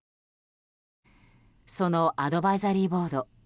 そのアドバイザリーボード。